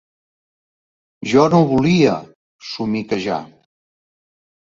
Jo no volia! –somiquejà.